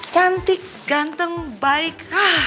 cantik ganteng baik